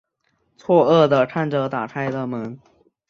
错愕的看着打开的门